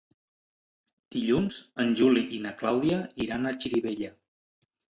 Dilluns en Juli i na Clàudia iran a Xirivella.